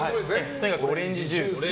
とにかくオレンジジュース。